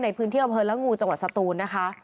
ในพื้นที่อำเภอละงูจังหวัดสตูนนะคะ